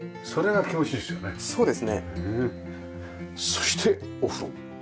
そしてお風呂。